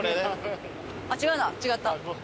違うな違った。